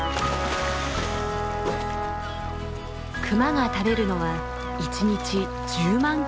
クマが食べるのは１日１０万